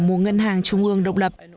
mua ngân hàng trung ương độc lập